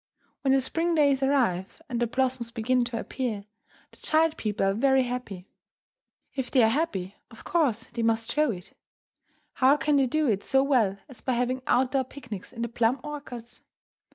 When the spring days arrive and the blossoms begin to appear, the child people are very happy. If they are happy, of course they must show it. How can they do it so well as by having out door picnics in the plum orchards?